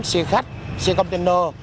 xe khách xe container